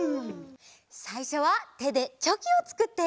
さいしょはてでチョキをつくって！